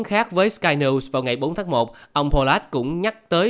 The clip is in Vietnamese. khác với sky news vào ngày bốn tháng một ông pollard cũng nhắc tới sự khó khăn của người dễ bị tổn thương